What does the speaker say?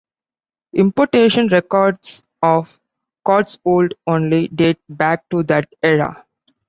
Importation records of Cotswold only date back to that era.